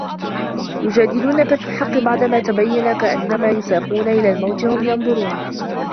يُجَادِلُونَكَ فِي الْحَقِّ بَعْدَمَا تَبَيَّنَ كَأَنَّمَا يُسَاقُونَ إِلَى الْمَوْتِ وَهُمْ يَنْظُرُونَ